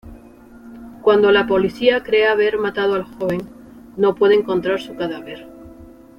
Cuando la policía cree haber matado al joven, no puede encontrar su cadáver.